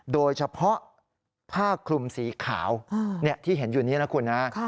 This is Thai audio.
โดยเฉพาะผ้าคลุมสีขาวที่เห็นอยู่นี้นะคุณนะ